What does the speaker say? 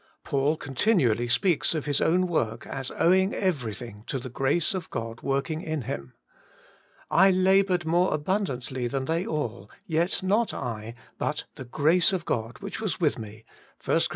Paul continually speaks of his own work as owing every thing to the grace of God working in him :' I laboured more abundantly than they all : yet not I, but the grace of God which was with me' (i Cor.